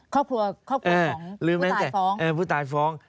ครอบครัวของผู้ตายฟ้องเออผู้ตายฟ้อง